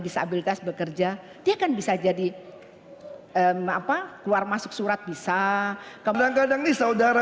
disabilitas bekerja dia kan bisa jadi eh maaf ah keluar masuk surat bisa keberangkan ini saudara